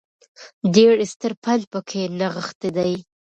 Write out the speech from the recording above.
ډېر ستر پند په کې نغښتی دی